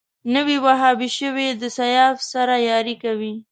نوی وهابي شوی د سیاف سره ياري کوي